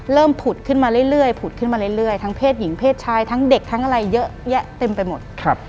ผุดขึ้นมาเรื่อยผุดขึ้นมาเรื่อยทั้งเพศหญิงเพศชายทั้งเด็กทั้งอะไรเยอะแยะเต็มไปหมด